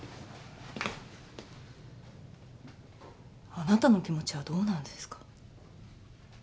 あなたの気持ちはどうなんですか？